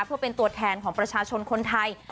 เพื่อเป็นตัวแทนของประชาชนคนไทย